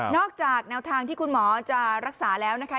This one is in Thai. จากแนวทางที่คุณหมอจะรักษาแล้วนะคะ